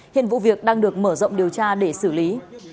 hiện vụ việc đang được mở rộng điều tra để xử lý